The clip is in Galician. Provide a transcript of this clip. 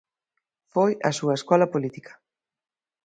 Foi a súa escola política.